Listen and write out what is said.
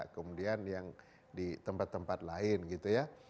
kemudian yang di tempat tempat lain gitu ya